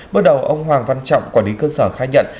bước đầu ông hoàng văn trọng quản lý cơ sở khai nhận